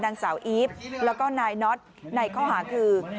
นางสาวอีฟแล้วก็นายน็อตในข้อหาคือ